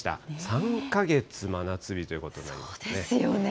３か月真夏日ということになりまそうですよね。